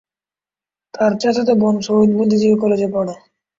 তার চাচাতো বোন শহীদ বুদ্ধিজীবী কলেজে পড়ে।